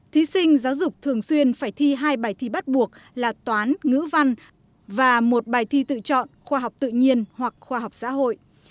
thí sinh giáo dục thường xuyên phải thi hai bài thi bắt buộc là toán ngữ văn và một bài thi tự chọn khoa học tự nhiên hoặc khoa học xã hội